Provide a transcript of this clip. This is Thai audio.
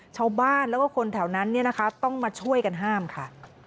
ชาวบ้านแล้วก็คนแถวนั้นต้องมาช่วยกันห้ามค่ะ